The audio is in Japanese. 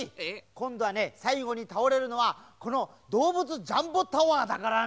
こんどはねさいごにたおれるのはこのどうぶつジャンボタワーだからね。